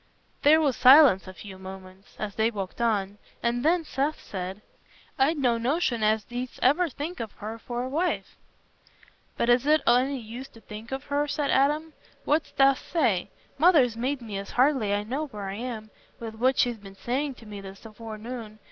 There was silence a few moments as they walked on, and then Seth said, "I'd no notion as thee'dst ever think of her for a wife." "But is it o' any use to think of her?" said Adam. "What dost say? Mother's made me as I hardly know where I am, with what she's been saying to me this forenoon.